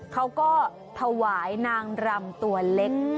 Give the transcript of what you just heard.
เขาก็ถวายนางรำตัวเล็ก